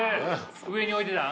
上に置いてたん？